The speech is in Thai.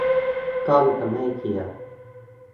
กล้องจะไม่เสีย